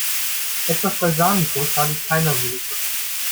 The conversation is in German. Etwas Balsamico schadet keiner Soße.